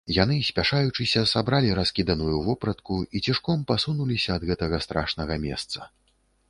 Яны, спяшаючыся, сабралі раскіданую вопратку і цішком пасунуліся ад гэтага страшнага месца.